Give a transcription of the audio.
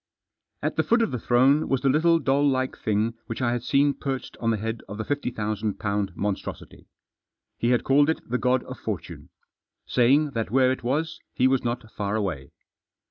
At the foot of the throne was the little doll like thing which I had seen perched on the head of the Digitized by IN THE PRESENCE. 305 fifty thousand pound monstrosity. He had called it the God of Fortune. Saying that where it was he was not far away.